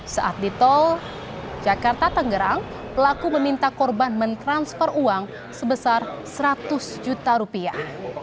saat di tol jakarta tanggerang pelaku meminta korban mentransfer uang sebesar seratus juta rupiah